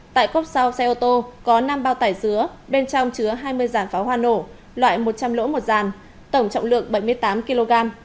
tại cốc sau xe ô tô có năm bao tải dứa bên trong chứa hai mươi dàn pháo hoa nổ loại một trăm linh lỗ một giàn tổng trọng lượng bảy mươi tám kg